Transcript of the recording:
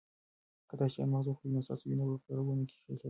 که تاسي چهارمغز وخورئ نو ستاسو وینه به په رګونو کې ښه چلیږي.